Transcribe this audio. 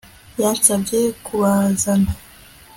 Yansabye kubazana